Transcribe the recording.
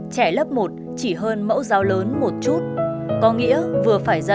trẻ lớp một chỉ hơn mẫu giáo lớn một chút có nghĩa vừa phải dạy vừa phải dỗ